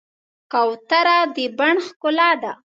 کوتره د بڼ ښکلا ده.